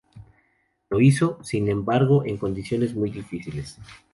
Lo hizo, sin embargo, en condiciones muy difíciles.